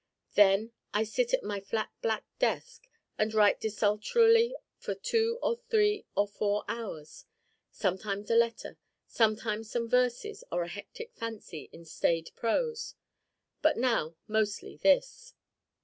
Then I sit at my flat black desk and write desultorily for two or three or four hours. Sometimes a letter, sometimes some verses or a hectic fancy in staid prose. But now mostly this.